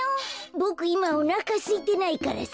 ボクいまおなかすいてないからさ。